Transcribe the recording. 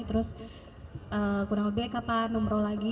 terus kurang lebih kapan umroh lagi